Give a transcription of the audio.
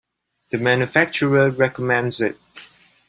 The manufacturer recommends it.